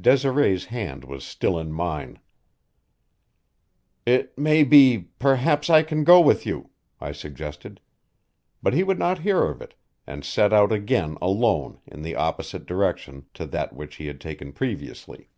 Desiree's hand was still in mine. "It may be perhaps I can go with you," I suggested. But he would not hear of it, and set out again alone in the opposite direction to that which he had taken previously.